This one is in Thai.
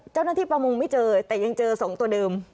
เจ้าหน้าที่ประมงไม่เจอแต่ยังเจอ๒ตัวเดิม